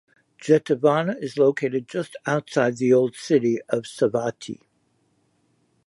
Jetavana is located just outside the old city of Savatthi.